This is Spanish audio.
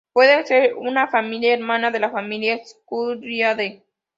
Puede ser una familia hermana de la familia Sciuridae.